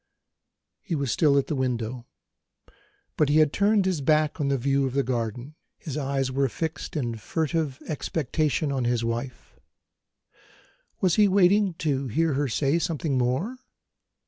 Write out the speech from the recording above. He was still at the window, but he had turned his back on the view of the garden; his eyes were fixed, in furtive expectation, on his wife. Was he waiting to hear her say something more?